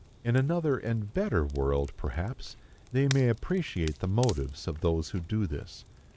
In another and better world, perhaps, they may appreciate the motives of those who do this.